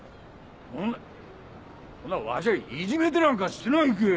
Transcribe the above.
そんなわしゃいじめてなんかしてないけぇ！